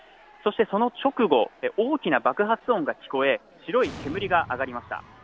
そしてその直後、大きな爆発音が聞こえ、白い煙が上がりました。